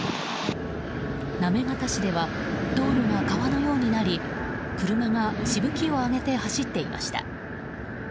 行方市では道路が川のようになり車がしぶきを上げて走っていました。